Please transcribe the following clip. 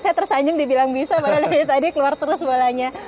saya tersenyum dibilang bisa padahal dari tadi keluar terus bola nya